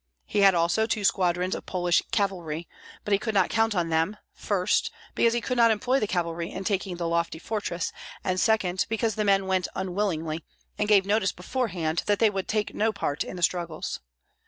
He had also two squadrons of Polish cavalry, but he could not count on them; first, because he could not employ the cavalry in taking the lofty fortress; and second, because the men went unwillingly, and gave notice beforehand that they would take no part in the struggles.